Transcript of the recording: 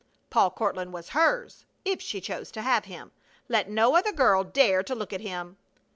Paul Courtland was hers if she chose to have him; let no other girl dare to look at him!